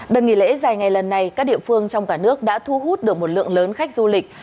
đợt nghỉ lễ dài ngày lần này các địa phương trong cả nước đã thu hút được một lượng lớn khách du lịch